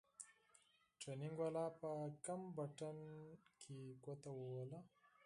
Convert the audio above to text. ټرېننگ والا په کوم بټن کښې گوته ووهله.